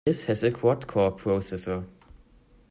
This has a quad-core processor.